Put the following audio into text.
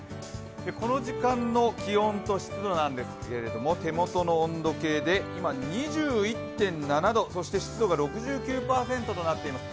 この時間の気温と湿度ですけれども、手元の温度計で今２１．７度そして湿度が６９％となっています。